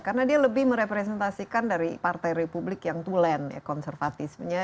karena dia lebih merepresentasikan dari partai republik yang tulen ya konservatismenya